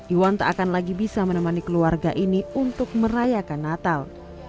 iwan tak akan lagi bisa menemani keluarga ini untuk merayakan natal